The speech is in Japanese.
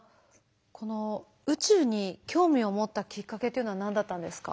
この宇宙に興味を持ったきっかけっていうのは何だったんですか？